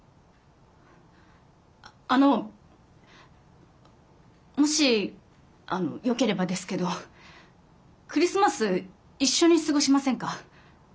あのもしよければですけどクリスマス一緒に過ごしませんか？